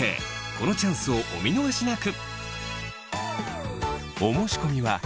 このチャンスをお見逃しなく！